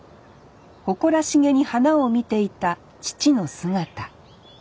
誇らしげに花を見ていた父の姿。